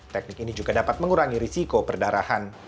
teknik ini juga dapat mengurangi risiko perdarahan